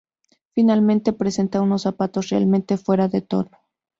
Finalmente presenta unos zapatos realmente fuera de tono.